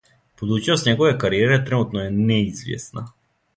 Будућност његове каријере тренутно је неизвјесна.